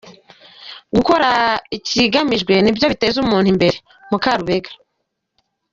Gukora ikigamijwe ni byo biteza umuntu imbere Mukarubega